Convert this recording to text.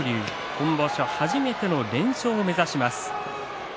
今場所、初めての連勝を目指します。